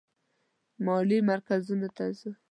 مالي مراکزو ته ځي.